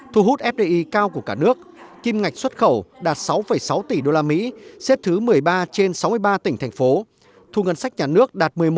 thu hút fdi cao của cả nước